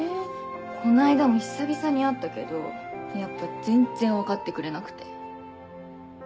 この間も久々に会ったけどやっぱ全然分かってくれなくて。